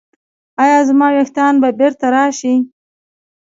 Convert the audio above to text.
ایا زما ویښتان به بیرته راشي؟